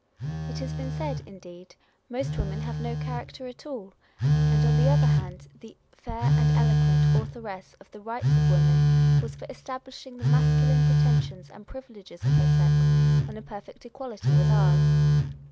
It has been said indeed, "Most women have no character at all," â€" and on the other hand, the fair and 0)1 Personal Character. 329 eloquent Authoress of the Rights of Women was for establishing the masculine pretensions and privileges of her sex on a perfect equality with ours.